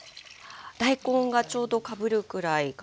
大根がちょうどかぶるぐらいかな。